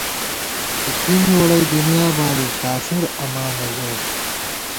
* اِڅِن ووڑئی دنیا بالِیؤ، کافراماں نہ ژَؤ